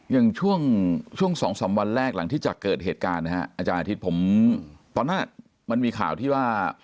อย่างช่วง๒๓วันแรกหลังจากเกิดเหตุการณ์นะฮะอาจารย์อาทิตย์ผมตอนนั้นมันมีข่าวที่ว่า